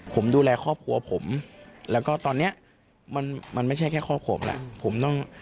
ผมดูแลครอบครัวผมแล้วก็ตอนนี้มันไม่ใช่แค่ครอบครัวแหละ